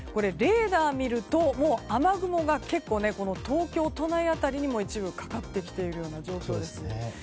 レーダーを見ると、もう雨雲が結構、東京都内辺りにも一部かかってきているような状況です。